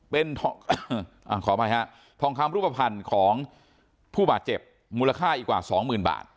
เป็นทองคำรูปภัณฑ์ของผู้บาดเจ็บมูลค่าอีกกว่า๒หมื่นบาท